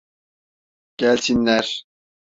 Gelsinler.